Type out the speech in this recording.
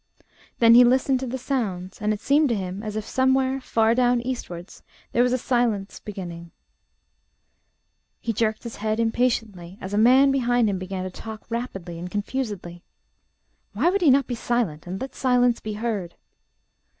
Then he listened to the sounds, and it seemed to him as if somewhere, far down eastwards, there was a silence beginning. He jerked his head impatiently, as a man behind him began to talk rapidly and confusedly. Why would he not be silent, and let silence be heard?...